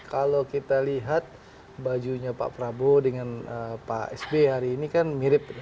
kalau kita lihat bajunya pak prabowo dengan pak sby hari ini kan mirip